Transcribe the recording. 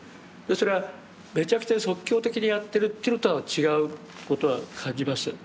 それはメチャクチャに即興的にやってるというのとは違うことは感じます。